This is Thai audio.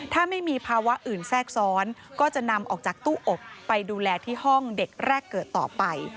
ถ้าไม่มีภาวะอื่นแทรกซ้อนก็จะนำออกจากตู้อบไปดูแลที่ห้องเด็กแรกเกิดต่อไป